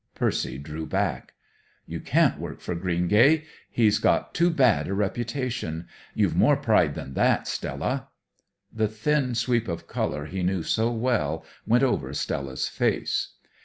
Percy drew back. "You can't work for Greengay. He's got too bad a reputation. You've more pride than that, Stella." The thin sweep of color he knew so well went over Stella's face.